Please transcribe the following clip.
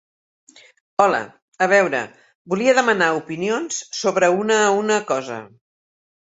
Hola, a veure, volia demanar opinions sobre una una cosa.